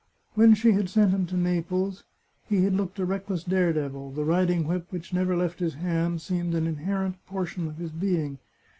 When she had sent him to Naples he had looked a reckless daredevil ; the riding whip which never left his hand seemed an inherent portion of his being.